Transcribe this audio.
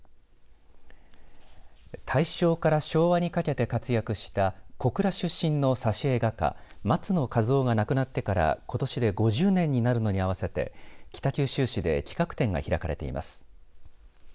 大正から昭和にかけて活躍した小倉出身の挿絵画家松野一夫が亡くなってからことしで５０年になるのに合わせて北九州市で企画展が開かれています。